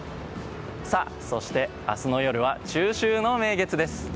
そして、明日の夜は中秋の名月です。